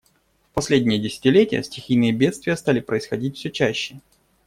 В последнее десятилетие стихийные бедствия стали происходить все чаще.